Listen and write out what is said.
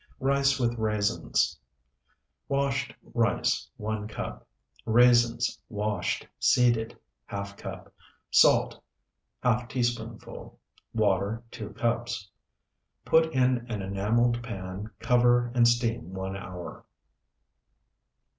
RICE WITH RAISINS Washed rice, 1 cup. Raisins, washed, seeded, ½ cup. Salt, ½ teaspoonful. Water, 2 cups. Put in an enameled pan, cover, and steam one hour.